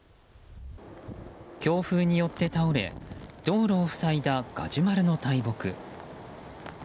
強風によって倒れ道路を塞いだガジュマルの大木。